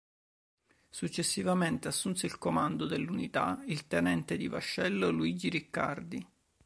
Successivamente assunse il comando dell'unità il tenente di vascello Luigi Riccardi.